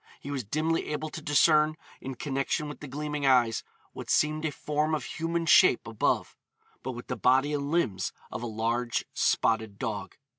He was dimly able to discern, in connection with the gleaming eyes, what seemed a form of human shape above, but with the body and limbs of a large spotted dog.